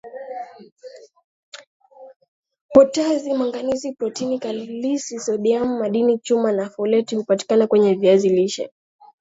potasi manganizi protini kalisi sodiamu madini chuma na foleti hupatikana kwenye viazi lishe